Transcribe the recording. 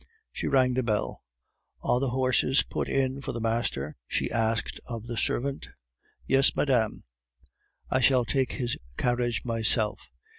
She rang the bell. "Are the horses put in for the master?" she asked of the servant. "Yes, madame." "I shall take his carriage myself.